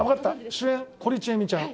主演堀ちえみちゃん。